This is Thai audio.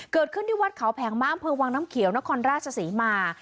เกิดขึ้นที่วัดเขาแผงม้ามเภวังน้ำเขียวนครราชศรีมา